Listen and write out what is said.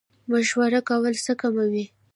مشوره کول څه کموي؟